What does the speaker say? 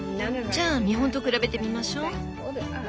じゃあ見本と比べてみましょ。